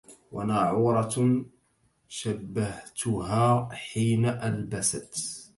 وناعورة شبهتها حين ألبست